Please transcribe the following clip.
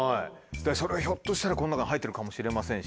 それがひょっとしたらこの中に入ってるかもしれませんし。